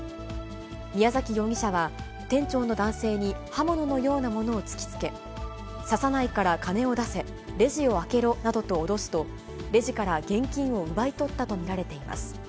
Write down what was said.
宮崎容疑者は、店長の男性に刃物のようなものを突きつけ、刺さないから金を出せ、レジを開けろなどと脅すと、レジから現金を奪い取ったと見られています。